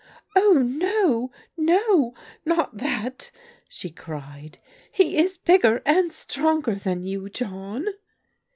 " Oh no, no, not that !" she cried. " He i3 bigger and stronger than you, John."